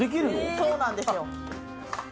そうなんですよ